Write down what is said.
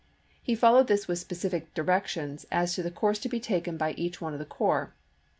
He followed this with specific directions as to the course to be taken by each one of the corps.